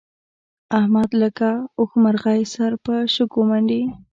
احمد لکه اوښمرغی سر په شګو منډي.